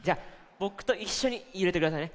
ぼくといっしょにゆれてくださいね。